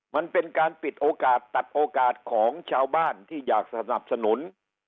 มันเป็นการปิดโอกาสตัดโอกาสของชาวบ้านที่อยากสนับสนุน